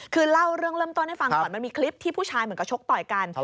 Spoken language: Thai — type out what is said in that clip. คือเล่าเรื่องเริ่มต้นให้ฟังก่อนมันมีคลิปที่ผู้ชายเหมือนกับชกต่อยกัน